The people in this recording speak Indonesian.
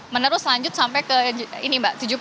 menerus lanjut sampai ke ini mbak